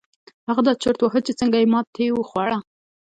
هغه دا چورت واهه چې څنګه يې ماتې وخوړه.